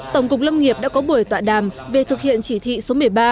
tổng cục lâm nghiệp đã có buổi tọa đàm về thực hiện chỉ thị số một mươi ba